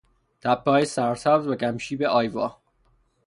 تپههای سرسبز و کم شیب آیوا